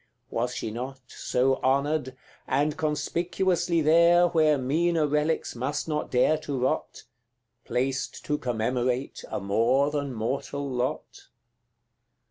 Was she not So honoured and conspicuously there, Where meaner relics must not dare to rot, Placed to commemorate a more than mortal lot?